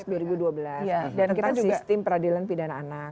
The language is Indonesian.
yang diperhatikan peradilan pidana anak